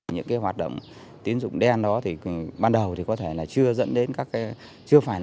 những hoạt động tín dụng đen đó ban đầu có thể chưa dẫn đến các cái